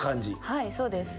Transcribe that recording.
はいそうです。